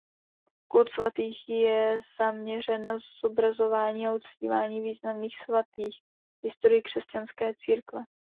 Kult svatých je zaměřen na zobrazování a uctívání významných svatých v historii křesťanské církve.